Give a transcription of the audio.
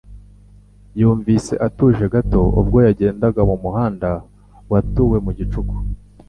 yumvise atuje gato ubwo yagendaga mu muhanda watuwe mu gicuku